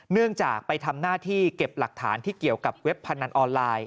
เนื่องจากไปทำหน้าที่เก็บหลักฐานที่เกี่ยวกับเว็บพนันออนไลน์